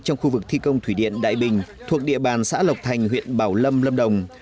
trong khu vực thi công thủy điện đại bình thuộc địa bàn xã lộc thành huyện bảo lâm lâm đồng